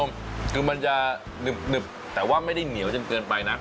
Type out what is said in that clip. คือมันจะหนึบแต่ว่าไม่ได้เหนียวจนเกินไปนะ